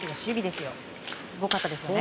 すごかったですね。